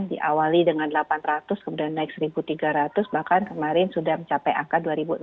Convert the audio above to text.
jadi peningkatan yang cukup signifikan diawali dengan delapan ratus kemudian naik satu tiga ratus bahkan kemarin sudah mencapai angka dua enam ratus